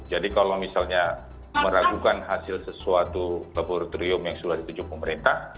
jadi kalau misalnya meragukan hasil sesuatu laboratorium yang sudah dituju pemerintah